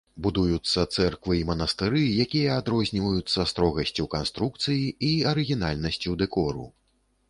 Будуюцца цэрквы і манастыры, якія адрозніваюцца строгасцю канструкцый і арыгінальнасцю дэкору.